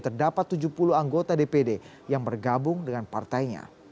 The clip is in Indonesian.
terdapat tujuh puluh anggota dpd yang bergabung dengan partainya